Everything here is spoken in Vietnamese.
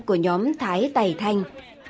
của nhóm thái tài thanh